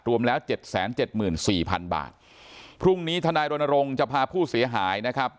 รวมแล้วเจ็ดแสนเจ็ดหมื่นสี่พันบาทพรุ่งนี้ทนายรณรงค์จะพาผู้เสียหายนะครับ